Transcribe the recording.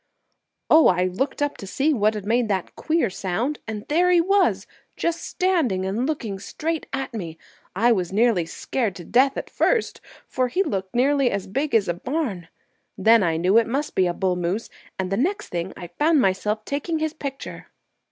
"Oh, I looked up to see what had made that queer sound, and there he was, just standing and looking straight at me! I was nearly scared to death at first, for he looked nearly as big as a barn. Then I knew it must be a bull moose; and the next thing I found myself taking his picture."